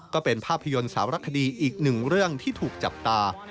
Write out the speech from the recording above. ก็เป็นภาพยนตร์สาวรักษณียอดเยี่ยมอีกหนึ่งเรื่องที่ถูกจับตา